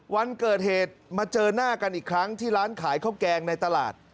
วันเกิดเหตุมาเจอหน้ากันอีกครั้งที่ร้านขายข้าวแกงในตลาด